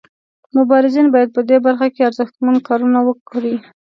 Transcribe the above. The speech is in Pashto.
مبارزین باید په دې برخه کې ارزښتمن کارونه وکړي.